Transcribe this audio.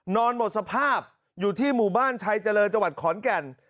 นอนหมดสภาพอยู่ที่หมู่บ้านชัยเจริญจังหวัดขอนแก่น